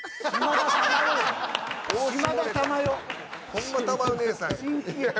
ホンマ珠代姉さんやん。